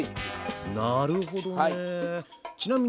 なるほどね。